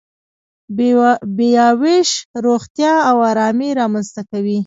بیاوېش روغتیا او ارامي رامنځته کوي.